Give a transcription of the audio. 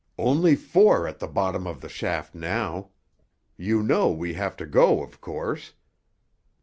"Only four at the bottom of the shaft now. You know we have to go, of course?